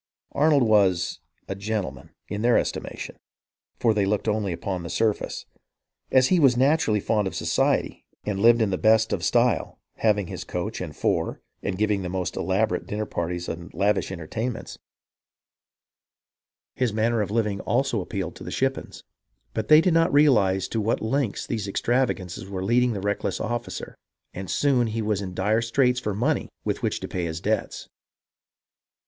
Arnold was a " gentleman " in their estimation, for they looked only upon the surface. As he was naturally fond of society, and lived in the best of style, having his coach and four and giving the most elaborate of dinner parties and lavish entertainments, his ARNOLD AND ANDRE 29I manner of living also appealed to the Shippens. But they did not realize to what lengths these extravagances were leading the reckless officer, and soon he was in dire straits for money with which to pay his debts.